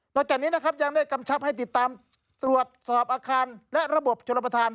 จากนี้นะครับยังได้กำชับให้ติดตามตรวจสอบอาคารและระบบชนประธาน